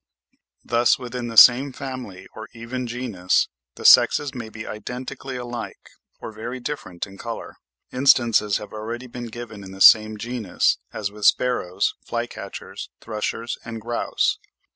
Thus within the same family or even genus, the sexes may be identically alike, or very different in colour. Instances have already been given in the same genus, as with sparrows, fly catchers, thrushes and grouse.